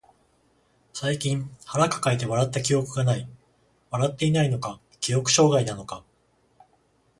最近腹抱えて笑った記憶がない。笑っていないのか、記憶障害なのか。